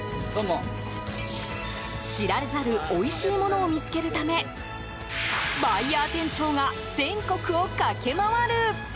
知られざるおいしいものを見つけるためバイヤー店長が全国を駆け回る。